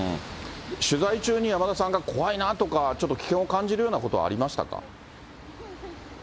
取材中に山田さんが怖いなとか、ちょっと危険を感じるようなことはありましたか。